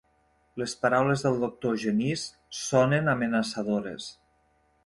Les paraules del doctor Genís sonen amenaçadores.